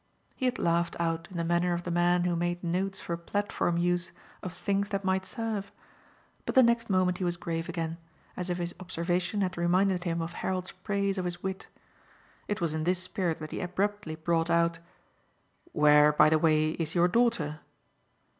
He had laughed out in the manner of the man who made notes for platform use of things that might serve; but the next moment he was grave again, as if his observation had reminded him of Harold's praise of his wit. It was in this spirit that he abruptly brought out: "Where, by the way, is your daughter?"